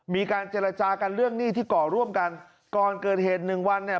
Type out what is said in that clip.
มีการเจรจากันเรื่องหนี้ที่ก่อร่วมกันก่อนเกิดเหตุหนึ่งวันเนี่ย